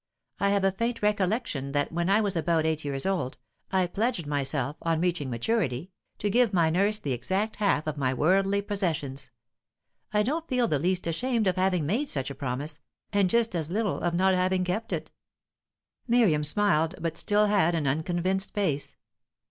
I have a faint recollection that when I was about eight years old, I pledged myself, on reaching maturity, to give my nurse the exact half of my worldly possessions. I don't feel the least ashamed of having made such a promise, and just as little of not having kept it." Miriam smiled, but still had an unconvinced face.